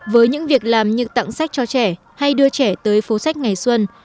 với những việc làm như tặng sách cho trẻ hay đưa trẻ tới phố sách ngày xuân